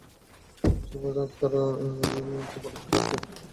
সীমা আক্তার এখন মানুষের বাড়ি কাজ করে কোনো রকমে নিজের খাবার জোগাড় করেন।